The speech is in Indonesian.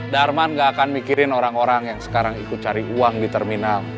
darman gak akan mikirin orang orang yang sekarang ikut cari uang di terminal